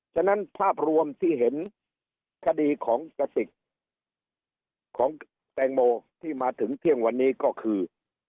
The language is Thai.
ฉะนั้นภาพรวมที่เห็นคดีของกระติกของแตงโมที่มาถึงเที่ยงวันนี้ก็คือ